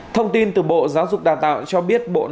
thông tin từ bộ giáo dục đà tạo cho biết